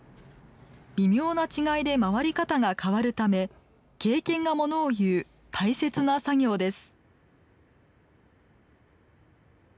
微妙な違いで回り方が変わるため経験がものをいう大切な作業です。